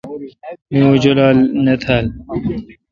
می اوں جولال نہ تھال۔